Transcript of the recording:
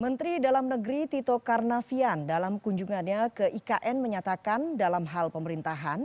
menteri dalam negeri tito karnavian dalam kunjungannya ke ikn menyatakan dalam hal pemerintahan